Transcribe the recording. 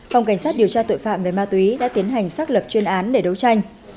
phòng cảnh sát điều tra tội phạm về ma túy đã tiến hành xác lập chuyên án để đấu tranh